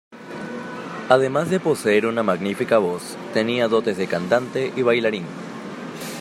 Además de poseer una magnífica voz, tenía dotes de cantante y bailarín.